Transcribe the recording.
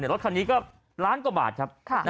รถคันนี้ก็ล้านกว่าบาทครับ